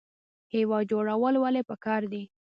هیواد جوړول ولې پکار دي؟